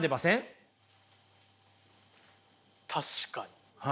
確かに。